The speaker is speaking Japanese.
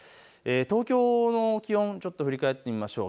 東京の気温をちょっと振り返ってみましょう。